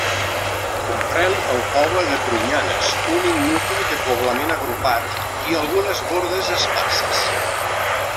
Comprèn el poble de Prunyanes, únic nucli de poblament agrupat, i algunes bordes esparses.